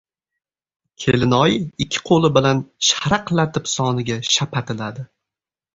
— Kelinoyi ikki qo‘li bilan sharaqlatib soniga shapatiladi.